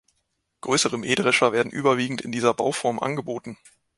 Größere Mähdrescher werden überwiegend in dieser Bauform angeboten.